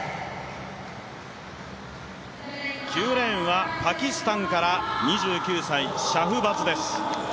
９レーンはパキスタンから２９歳、シャフバズです。